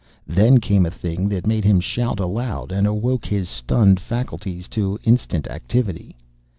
Then came a thing that made him shout aloud, and awoke his stunned faculties to instant activity.